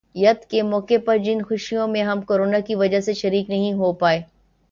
ید کے موقع پر جن خوشیوں میں ہم کرونا کی وجہ سے شریک نہیں ہو پائے